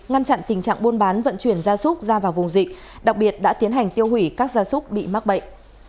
ngăn chặn tình trạng buôn bán vận chuyển gia súc ra vào vùng dịch đặc biệt đã tiến hành tiêu hủy các gia súc bị mắc bệnh